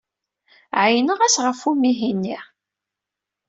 Ɛeyyneɣ-as ɣef umihi-nni.